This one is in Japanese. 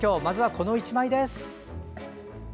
まずはこの１枚です。